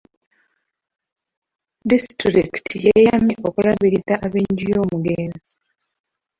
Disitulikiti yeeyamye okulabirira eb'enju y'omugenzi.